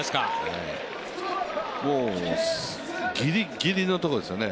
ええもうギリギリのところですよね。